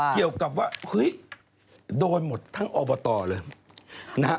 เกี่ยวกับว่าเฮ้ยโดนหมดทั้งอบตเลยนะฮะ